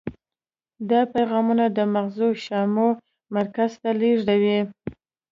دا پیغامونه د مغزو شامعي مرکز ته لیږدوي.